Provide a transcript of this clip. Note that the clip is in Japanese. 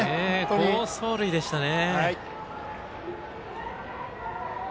好走塁でしたね。